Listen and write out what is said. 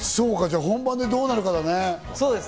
本番でどうなるかだね。